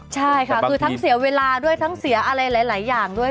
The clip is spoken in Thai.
ใช่ค่ะคือทั้งเสียเวลาด้วยทั้งเสียอะไรหลายอย่างด้วย